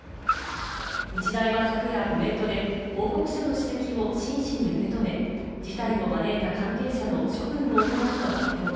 日大は昨夜コメントで、報告書の指摘を真摯に受け止め、事態を招いた関係者の処分を行うと発表。